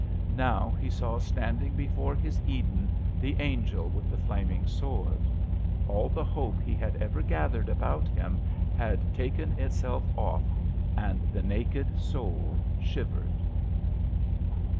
Now he saw standing before his Eden the angel with the flaming sword. All the hope he had ever gathered about him had taken itself off, and the naked soul shivered.